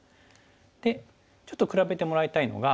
でちょっと比べてもらいたいのが。